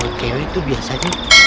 aduh aduh bapak